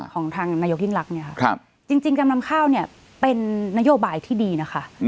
ของทางนายกยิ่งรักเนี่ยค่ะจริงการนำข้าวเนี่ยเป็นนโยบายที่ดีนะคะ